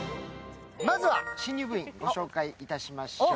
まずは新入部員、ご紹介しましょう。